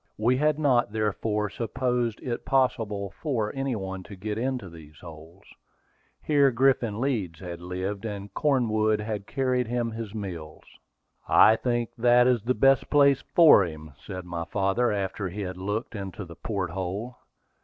We had not therefore supposed it possible for any one to get into these holds. Here Griffin Leeds had lived, and Cornwood had carried him his meals. "I think that is the best place for him," said my father, after he had looked into the port hold.